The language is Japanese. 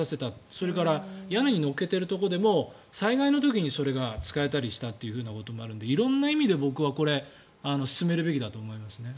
それから屋根に乗っけているところでも災害の時にそれが使えたりしたということもあるので、色んな意味で僕はこれ進めるべきだと思いますね。